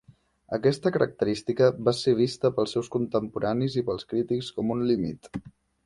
Aquesta característica va ser vista pels seus contemporanis i pels crítics com un límit.